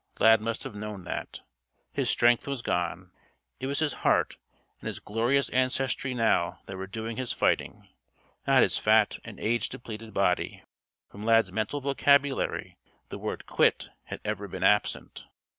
Lad must have known that. His strength was gone. It was his heart and his glorious ancestry now that were doing his fighting not his fat and age depleted body. From Lad's mental vocabulary the word quit had ever been absent.